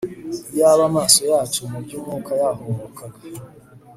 Iyaba amaso yacu mu byumwuka yahumukaga